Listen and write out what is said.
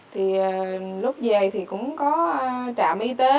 thì lúc về thì cũng có trạm y tế